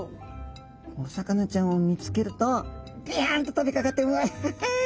お魚ちゃんを見つけるとピヤンと飛びかかってわい！